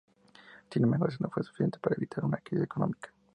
Sin embargo, eso no fue suficiente para evitar una crisis económica.